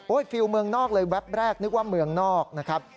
ฟิลล์เมืองนอกเลยแวบแรกนึกว่าเมืองนอกนะครับ